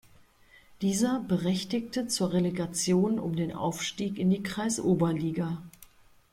Dieser berechtigte zur Relegation um den Aufstieg in die Kreisoberliga.